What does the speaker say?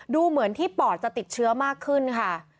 ดูเหมือนที่ปอดจะติดเชื้อมากขึ้นค่ะ